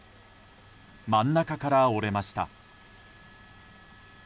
真ん中から折れました。